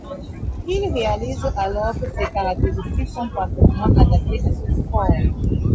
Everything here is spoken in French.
Il réalise alors que ses caractéristiques sont parfaitement adaptées à ce sport.